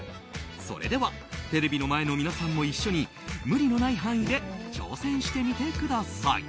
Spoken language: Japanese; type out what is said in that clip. それではテレビの前の皆さんも一緒に無理のない範囲で挑戦してみてください。